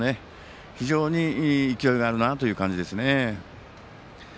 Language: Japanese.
非常に勢いがあるなという感じですね。